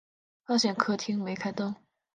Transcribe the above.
发现客厅没开灯